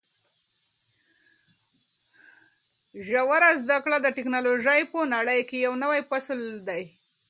ژوره زده کړه د ټکنالوژۍ په نړۍ کې یو نوی فصل دی.